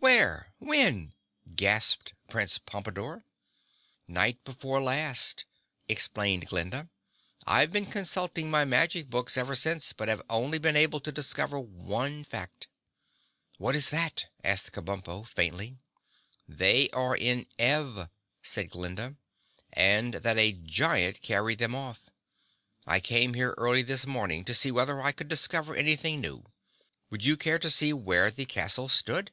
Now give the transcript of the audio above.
"Where? When?" gasped Prince Pompadore. "Night before last," explained Glinda. "I've been consulting my magic books ever since but have only been able to discover one fact." "What is that?" asked Kabumpo faintly. "That they are in Ev," said Glinda, "and that a giant carried them off. I came here early this morning to see whether I could discover anything new. Would you care to see where the castle stood?"